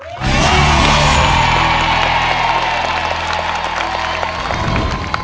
เย้